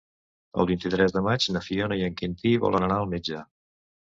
El vint-i-tres de maig na Fiona i en Quintí volen anar al metge.